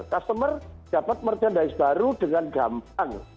customer dapat merchandise baru dengan gampang